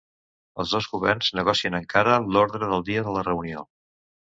Els dos governs negocien encara l’ordre del dia de la reunió.